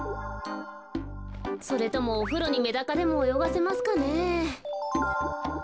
それともおふろにメダカでもおよがせますかねえ。